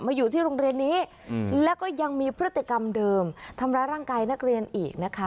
อยู่ที่โรงเรียนนี้แล้วก็ยังมีพฤติกรรมเดิมทำร้ายร่างกายนักเรียนอีกนะคะ